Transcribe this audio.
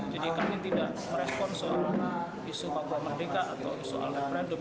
jadi kami tidak meresponsor isu papua merdeka atau isu alam random